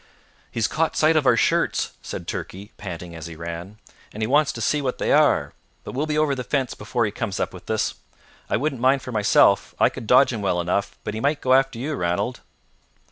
"He's caught sight of our shirts," said Turkey, panting as he ran, "and he wants to see what they are. But we'll be over the fence before he comes up with us. I wouldn't mind for myself; I could dodge him well enough; but he might go after you, Ranald."